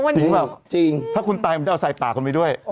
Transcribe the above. จริงหรือเปล่าถ้าคุณตายมันจะเอาใส่ปากเขาไปด้วย